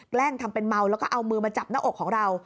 แกล้งทำเป็นเมาแล้วก็เอามือมาจับหน้าอกของเรา